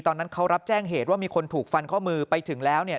ตอนนั้นเขารับแจ้งเหตุว่ามีคนถูกฟันข้อมือไปถึงแล้วเนี่ย